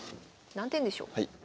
何点でしょう？